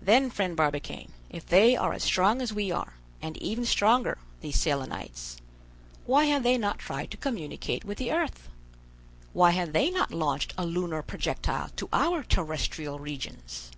"Then, friend Barbicane, if they are as strong as we are, and even stronger—these Selenites—why have they not tried to communicate with the earth? why have they not launched a lunar projectile to our terrestrial regions?"